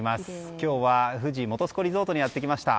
今日は富士本栖湖リゾートにやってきました。